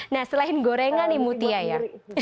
nah selain gorengan nih mutia ya